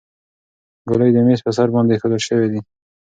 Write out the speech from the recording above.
ګولۍ د میز په سر باندې ایښودل شوې دي.